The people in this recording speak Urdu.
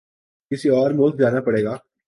کسی اور ملک جانا پڑے گا